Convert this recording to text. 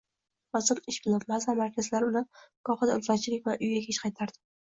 Ba’zan ish bilan, ba’zan majlislar bilan, gohida ulfatchilik bilan uyga kech qaytardim.